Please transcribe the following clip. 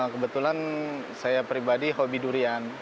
kebetulan saya pribadi hobi durian